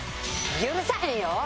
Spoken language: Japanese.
許さへんよ！